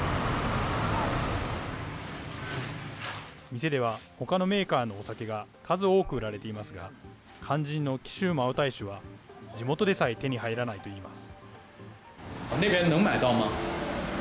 店では、ほかのメーカーのお酒が数多く売られていますが、肝心の貴州茅台酒は地元でさえ手に入らないといいます。